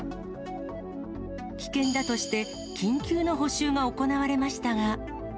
危険だとして、緊急の補修が行われましたが。